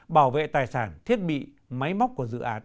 bảo vệ tài sản thiết bị máy móc